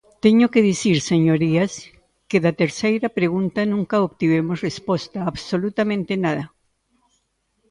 Teño que dicir, señorías, que da terceira pregunta nunca obtivemos resposta, absolutamente nada.